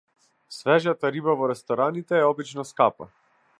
Свежата риба во рестораните е обично скапа.